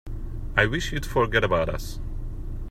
I wish you'd forget about us.